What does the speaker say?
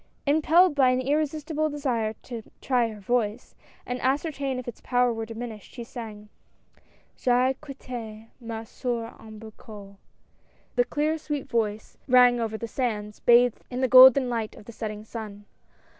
Impelled by an irresistible desire to try her voice, and ascertain if its power were dimin ished, she sang — J'ai quitt^ ma soeur au berceau.'* The clear, sweet voice rang over the sands, bathed in the golden light of the setting sun.